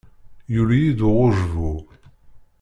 Yuli-yi-d uɣujbu.